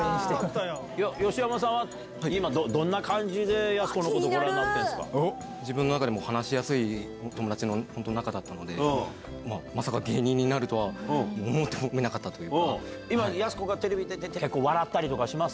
吉山さんは、今、どんな感じで、やす子のこと、ご覧になってるんですか？自分の中でも話しやすい友達の中だったので、まさか芸人になるとは思ってもみなかったという今、やす子がテレビ出てて、結構笑ったりします？